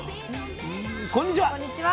こんにちは。